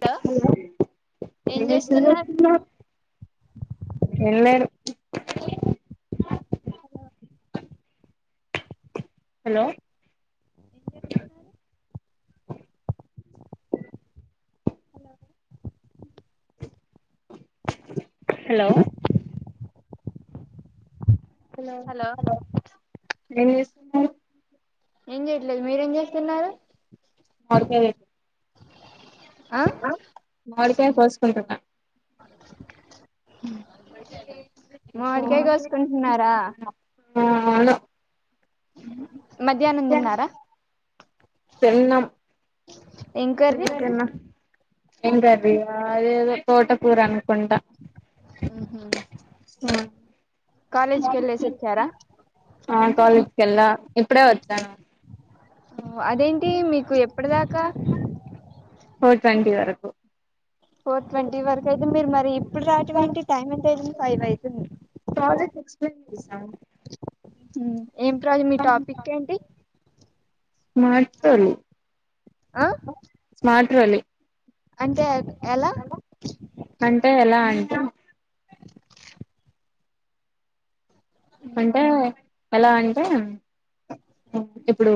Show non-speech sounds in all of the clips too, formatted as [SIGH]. Hello ఏం చేస్తున్నారు ఎం లేదు hello door sound hello hello hello hello ఏం చేస్తున్నావ్ ఏం చెయట్లేదు మీరేం చేస్తున్నారు మామిడికాయ ఆ మామిడికాయ కోసుకుంటున్న ఊ ఇది ఏంటిది మామిడికాయ కోసుకుంటున్నారా ఆ అవును డోర్ సౌండ్ మధ్యాహ్నం తిన్నారా తిన్నాం డోర్ సౌండ్ తిన్న తిన్న ఏం కర్రీ అదేదో తోటకూర అనుకుంటా ఉ హు ఆ కాలేజీకి వెళ్లేసి వచ్చారా తెల్ల ఇప్పుడే వచ్చాను అదేంటి మీకు ఎప్పటిదాకా ఫోర్ ట్వంటీ వరకు ఫోర్ ట్వంటీ వరకు అయితే మీరు మరి ఇప్పుడు రావడం ఏంటి టైం ఎంతవుంది ఫైవ్ అవుతుంది ప్రాజెక్ట్ ఎక్స్ప్లెయిన్ చేసావా ఉ ఏంట్రా ఈరోజు మీ టాపిక్ ఏంటి స్మార్ట్ ఫోన్ ఆ మాటాల అంటే ఎలా అంటే ఎలా అండి అంటే ఎలా అంటే ఇప్పుడు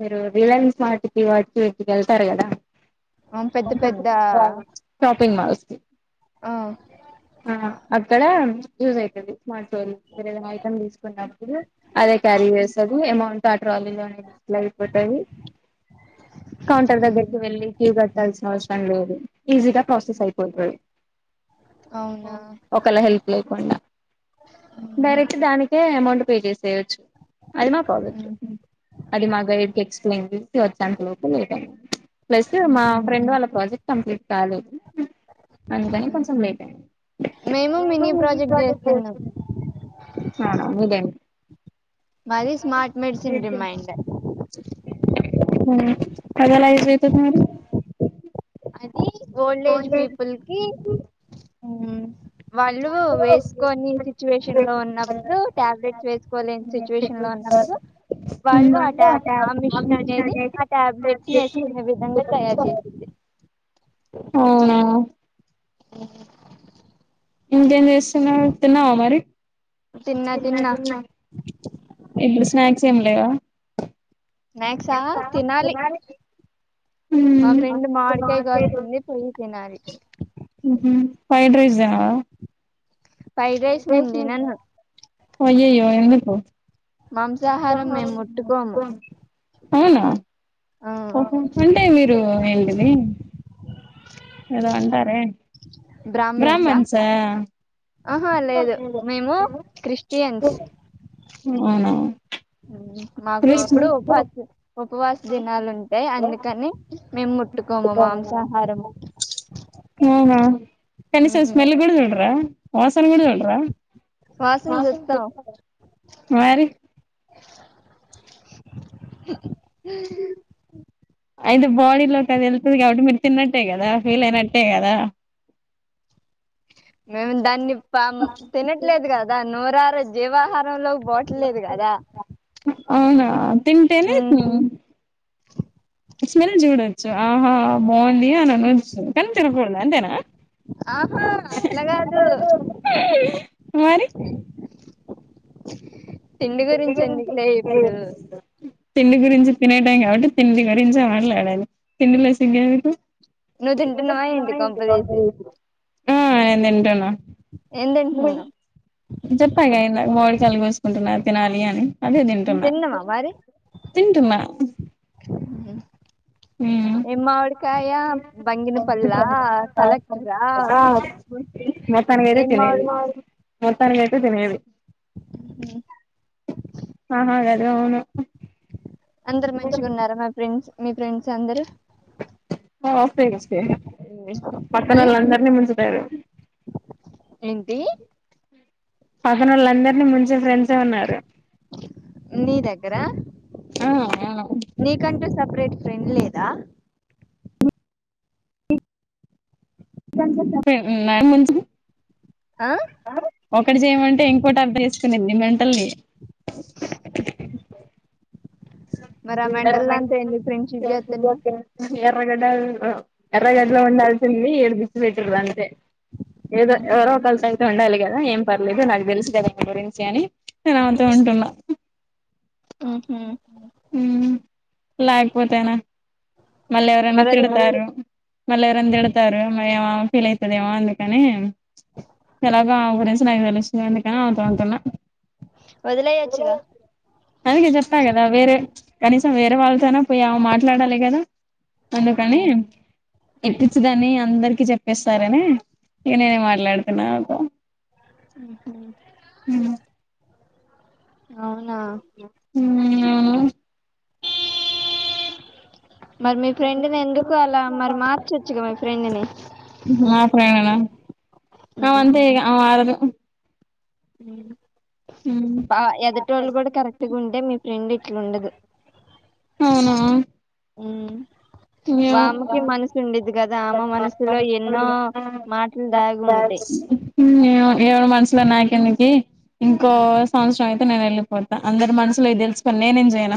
మీరు రిలయన్స్ వాటికి వాటికి వెళ్తారు కదా అ పెద్ద పెద్ద మా ఆ అక్కడ యూస్ అవుతుంది స్మార్ట్ ఫోన్ వేర ఏదైనా ఐటమ్ తీసుకున్నడు అదే క్యారీ చేస్తుది అమౌంట్ ట్రాలీలోనే డిస్ప్లే అయిపోతుంది కౌంటర్ దగ్గరకి వెళ్ళి క్యూ కట్టాల్సిన అవసరం లేదు ఈజీగా ప్రాసెస్ అయిపోతుంది అవునా ఒకళ హెల్ప్ లేకుండా డైరెక్ట్ దానిే అమౌంట్ పే చేస్తా చ్చు అది మా పర్వెక్ట్ అది మా గైడ్కి ఎక్స్ప్లన్ వచ్చంతలోపు నీతోనే ప్లస్ మా ఫ్రెండ్ వాళ్ళ ప్రాజెక్ట్ కంప్లీట్ కాలేదు అందుకని కొంచం లేట్ అయింది [UNINTELLIGIBLE] మేము మినీ ప్రాజెక్ట్ చేస్తున్నాం మాది స్మార్ట్ మెడిసిన్ రిమైండర్ హ్మ్మ్ ఫైనలైజ్ అయితది మరి అది ఓల్డేజ్ పీపుల్ కి ఉ వాళ్ళు వేసుకోని సిచ్యువేషన్ లో ఉన్నప్పుడు టాబ్లెట్స్ వేసుకోలేని సిచ్యువేషన్ లో ఉన్నప్పుడు వాళ్ళు ఆ టబ్ ఆ మిషన్ అనేది ఆ టాబ్లెట్స్ వేసుకునే విధంగా తయారు చేసింది అవునా ఇంక ఏం చేస్తున్నావ్ తిన్నావా మరి తిన్నా తిన్న తిన్నా తిన్న ఇపుడు స్నాక్స్ ఏం లేవా స్నాక్సా తినాలి మా ఫ్రెండ్ మామిడికాయ కోసింది పొయ్యి తినాలి ఆ ఫ్రైడ్ రైస్ నేను తినను అయ్యయ్యో ఎందుకో మాంసాహారం మేము ముట్టుకోము అవ్నా ఆ అంటే మీరు ఏంటిది ఏదో అంటారే బ్రాహ్మన్సా బ్రాహ్మణ్సా ఆహా లేదు మేము క్రిస్టియన్స్ అవునా మాకు క్రిస్ ఇప్పుడు ఉపాసం దినాలు ఉంటాయి అందుకని మేము ముట్టుకోము మాంసాహారము అవునా కనీసం స్మెల్ గుడా చుడరా వాసన గుడ చూడరా వాసన చూస్తాం మరి అయితే బాడీలోకి అది వెళ్తుంది కాబట్టి మీరు తిన్నట్టే కదా ఫీల్ అయినట్టే కదా మేము దాన్ని పా తినట్లేదు కదా నూరరు జీవాహారంలోకి పోటలేదు కదా అవునా తింటేనే స్మెల్ చూడొచ్చు ఆహా మోలీ అనిను వచ్చు కనీ తరుకడద అంతేనా ఆహా అట్లా కాదు మరి అ పిండి గురించి ఎందుకులే ఇప్పుడు తిండి గురించి తినేటం కాబట్టి తిండి గురించే మాట్లాడాలి తిండిలో సిగేందుకు నువ్వు తింటున్నా ఏంటి కొంప తీసి ఆ తింటానా తింటున్నావు చెప్పగాయంద మోడి కలుగ వసుకుంటున్నారు తెనాల అని అదే తింటున్నా తిన్నావా మరి తింటున్నా ఏమ్మావడికాయ బంగినపల్ కలెక్ట్రా ఆ ఏమ్మావడికా తనగైతే తినేది ఆ అవును అందరు మంచిగా ఉన్నారా మా ఫ్రెండ్స్ మీ ఫ్రెండ్స్ అందరు [UNINTELLIGIBLE] ఉమ్, పక్కనోళ్ళు అందరని ముంచుతారు ఏంటి పదనాోళ్ళ అందరినీ ముంచే ఫ్రెండ్స్ నీ దగ్గర నీకంటూ సపరేట్ ఫ్రెండ్ లేదా [UNINTELLIGIBLE] ముంచి ఆ ఒకటి చేయమంటే ఇంకోటి అర్థ చేసుకునేది మే టల్ ది మరి అ మెంటల్ దాంతో ఎందుకు ఫ్రెండ్షిప్ జేతునావ్ ఎర్రగడ్డ ఎర్రగడ్డలో ఉండాల్సింది ఇడి దేచ్చి పెెట్టరు అంతే ఏదో ఎవరో కల్ [UNINTELLIGIBLE] ఉండాలి గా ఏం పర్లేదు నాకు తెలుసు కదాని గురించి అని నేను అమెతో ఉంటున్నా ఆహ ఉమ్ లేకపోతేనా మళ్ళవరన్నా మరి అది తిడతారు మళ్ళీ ఎవర ఆన్ తిడతారు మ ఏమ ఫీల్ అవుతుదేమో అందుకని ఎలాగో ఆ ఫ్రెండ్స్ నాకు తెలుసు అందుకా ఆతో అంటున్నా వదిలేయొచ్చుగా అందుకే చెప్ప కదా వేరే కనీసం వేరే వాళ్ళతోన పోయి అమే మాట్లాడాలి కదా అందుకని ఉమ్, ఈ పిచ్చిదని అందరికి చెప్పేస్తారని ఇక నేనే మాట్లాడుతున్నాను ఉం హ్మ్ ఉం అవునా ఉమ్ అవును మరి మీ ఫ్రెండ్ని ఎందుకు అలా మరి మార్చొచ్చుగా మీ ఫ్రెండ్ని మా ఫ్రెండ్ నా అమే అంతే ఇగ అమే మారదు ఉమ్ ఉ ఎదుటి వాళ్ళు కూడా కరెక్ట్గా ఉంటే మీ ఫ్రెండ్డిట్లుండదు అవునా ఉమ్ వామకి మనసు ఉండేది కదా ఆమె మనసులో ఎన్నో మాటలు దాగింటాయి ఉం ఎవరి మనసులో నాకెందుకి ఇంకో సంవత్సరం అయితే నేను వెళ్ళిపోతా అందరి మనుసులో తెలుసుకొని నేనేం చేయలా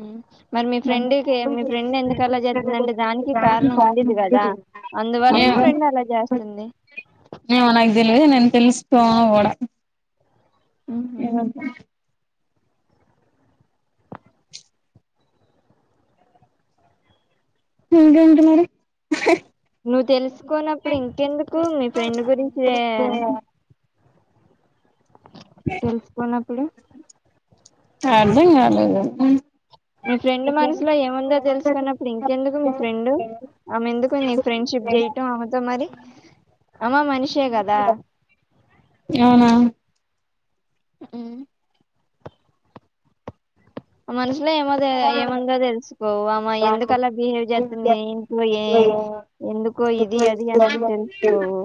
ఉమ్ మరి మీ ఫ్రెండ్కి మీ ఫ్రెండ్ ఎందు కు అలా చేస్తుంది అంటే దానికి కారణం ఉండేది కదా అందువల్ల మీ ఏమో ఫ్రెండ్ అలా చేస్తుంది తెలుసుకో కూడా హుహు. ఏమైంది ఇంగ ఏంటి మరి నువ్ తెలుసుకోన్నప్పుడు ఇంకెందుకు మీ ఫ్రెండ్ గురించీ తెలుసుకోన్నప్పుడు అర్దం కాలేదు మీ ఫ్రెండ్ మనసులో ఏముందో తెలుసుకున్నప్పుడు ఇంకెందుకు మీ ఫ్రెండ్ ఆమెందుకు నీ ఫ్రెండ్షిప్ చేయటం ఆమెతో మరి ఆమ మనిషే కదా అవునా ఉమ్ అ మనస్ ఇట్లా ఏమో ఏముందో తెలుసుకోవు అమ్ ఎందుకలా బిహేవ్ చేస్తుంది ఏంటో ఏ ఎందుకో ఇది అది అని తెలుసుకోవు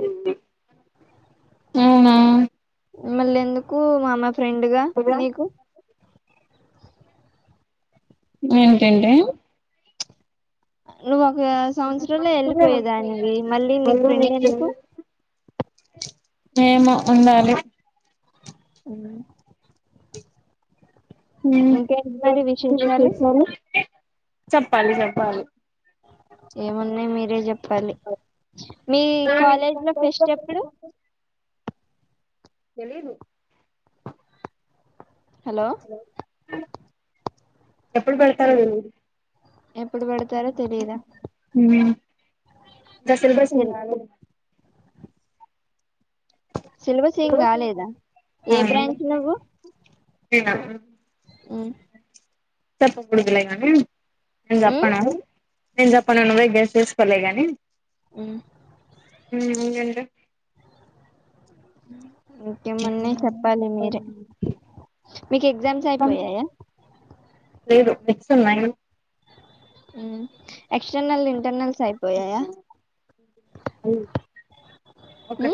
అవును మళ్ళీ ఎందుకు మా అమ్మయి ఫ్రెండ్గా నీకు ఏంటెంటి నువ్ పక్కన ఆ సంవత్సరంలో వెళ్ళిపోయేదానివి మళ్ళీ నీకు ఫ్రెండ్ ఎందుకు ఏమో ఉండాలి అవు మరి విశేషాలు స చెప్పాలి చెప్పాలి ఏమున్నాయ్ మీరే చె ప్పాలి మీ కాలేజ్ లో ఫెస్ట్ ఎప్పుడు? తెలీదు హలో ఎప్పుడు పెడతారొ తెలీదు ఎప్పుడు పెడతారో తెలియదా దసెలు బసులు తెలి గాని సిలబస్ ఏం కాలేదా ఏ బ్రాంచ్ నువ్వు నేనా ఆ చెప్పకుండదులే కానీ నెన్ ఉమ్, చెప్పనా నేన్ జప్పను నువ్వే గెస్ చేసుకోలే గానీ ఉమ్. ఉమ్ హా హ ఇంకేమున్నాయ్ చెప్పాలి మీరే మీకు ఎగ్జామ్స్ అయిపోయాయా? ఎగ్స్ నైన్ ఉ ఎక్స్టెర్నల్ ఇంటర్నల్స్ అయిపోయాయా ఓకే ఉ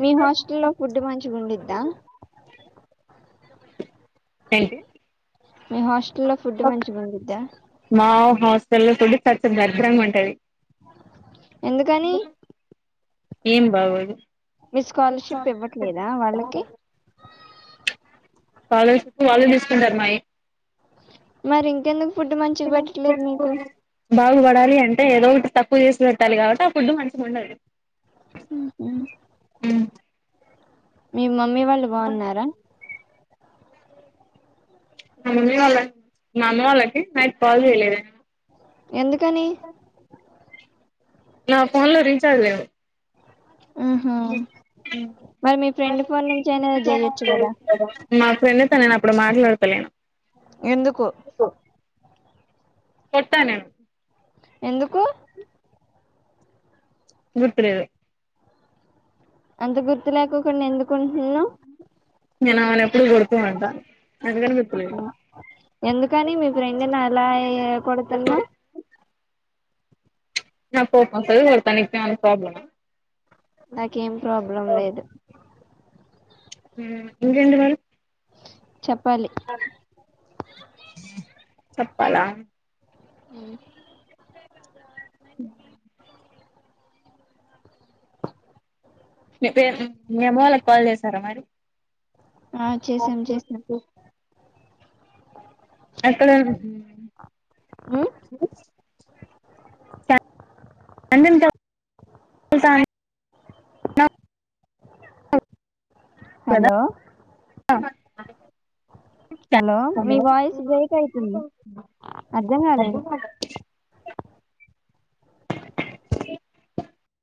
మీ హాస్టల్ లో ఫుడ్ మంచిగా ఉండిద్దా ఏంటి మీ హాస్టల్లో ఫుడ్ మంచిగా ఉండిద్దా హాస్టెల్ లో పుడ్ తట్ట ధరింధ్రంగా ఉంటది ఎందుకని ఏం బాగోదు మీ స్కాలర్షిప్ ఇవ్వట్లేదా వాళ్ళకి స్కాలర్షిప్ వాళ్ళు తీసుకుంటారు మాయి మరి ఇంకెందుకు ఫుడ్ మంచిగా పెట్టట్లేదు మీకు [UNINTELLIGIBLE] అంటే ఏదో ఒకటి తక్కువ చేసి పెట్టాలి కాబట్టి ఆ ఫుడ్ మంచిగా ఉండదు ఉహు మీ మమ్మీ వాళ్ళు బాగున్నారా మా మమ్మీ వాళ్ళకి మా అమ్మ వాళ్ళకి నైట్ కాల్ చేయలేదు నేను ఎందుకని నా పోన్ లో రీచార్జ్ లేేదు ఆహ మరి మీ ఫ్రెండ్ ఫోన్ నుంచి అయినా చేయచ్చు కదా మా ఫ్రెండ్తో నేను అప్పుడు మాట్లాడతలేను ఎందుకు కొట్ట నేను ఎందుకు గుర్తులేదు అంత గుర్తు లేకాకోకుండా ఎందుకుంటున్నావ్ నేను [UNINTELLIGIBLE] ఎప్పుడు కొడతావ్ అంట ఉంది అందుకగుర్తులేదు ఎందుకని మీ ఫ్రెండ్ని అలా కొడుతున్నావు [UNINTELLIGIBLE] నాకు కోపం వస్తది కొడతా నీకు ఏమంతా ప్రాబ్లం నాకేం ప్రాబ్లం లేదు ఇంకెంటి మరీ చెప్పాలి చెప్పాలా ఊ ఉ మీ పేరు మీ అమ్మ వాళ్ళకి కాల్ చేసారా మరి ఆ చేసాం చేసినాం అక్కడ ఉమ్, [INAUDIBLE] [UNINTELLIGIBLE] అన్నారు హలో [UNINTELLIGIBLE] హలో మీ వాయిస్ బ్రేక్ అయితుంది అర్థం కాలేదు. [UNINTELLIGIBLE]